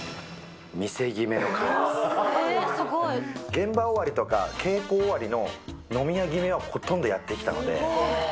現場終わりとか、稽古終りの飲み屋決めはほとんどやってきたので。